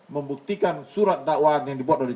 membuktikan surat dakwaan yang dibuat oleh